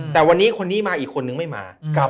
แต่วันนี้คนนี้มาอีกคนนึงไม่มา